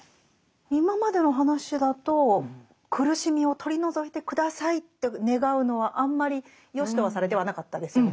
今までの話だと苦しみを取り除いて下さいって願うのはあんまりよしとはされてはなかったですよね。